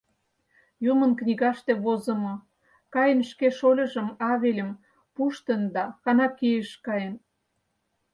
— Юмын книгаште возымо: Каин шке шольыжым, Авельым, пуштын да Ханакейыш каен.